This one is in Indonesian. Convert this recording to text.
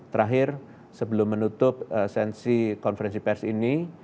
terakhir sebelum menutup sensi konferensi pers ini